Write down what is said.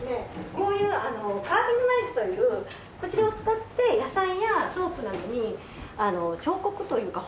こういうカービングナイフというこちらを使って野菜やソープなどに彫刻というか彫る。